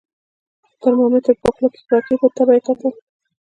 ترمامیتر یې په خوله کې را کېښود، تبه یې کتل.